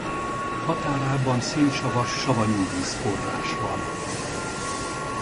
Határában szénsavas savanyúvíz-forrás van.